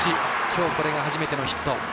きょうこれが初めてのヒット。